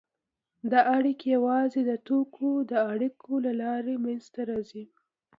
دا اړیکې یوازې د توکو د اړیکو له لارې منځته راځي